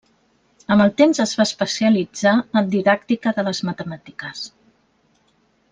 Amb el temps es va especialitzar en Didàctica de les Matemàtiques.